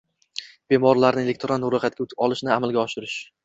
- bemorlarni elektron ro'yxatga olishni amalga oshirish;